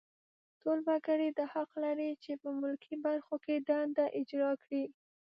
ټول وګړي دا حق لري چې په ملکي برخو کې دنده اجرا کړي.